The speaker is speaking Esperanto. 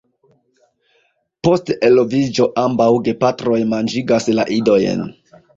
Post eloviĝo ambaŭ gepatroj manĝigas la idojn.